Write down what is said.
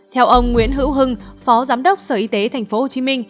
theo ông nguyễn hữu hưng phó giám đốc sở y tế tp hcm